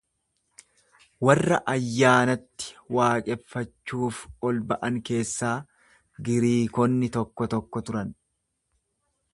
Warra ayyaanatti waaqeffachuuf ol ba’an keessaa Giriikonni tokko tokko turan.